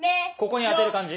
ここに当てる感じ。